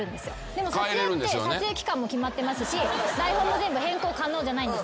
でも撮影って撮影期間も決まってますし台本も全部変更可能じゃないんですよ。